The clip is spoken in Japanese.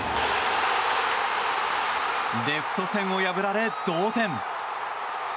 レフト線を破られ、同点。